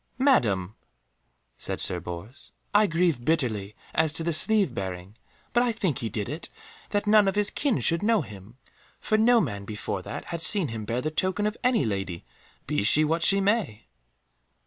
"Madam," said Sir Bors, "I grieve bitterly as to that sleeve bearing, but I think he did it that none of his kin should know him. For no man before that had seen him bear the token of any lady, be she what she may."